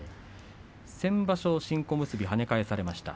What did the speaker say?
先場所、新小結はね返されました。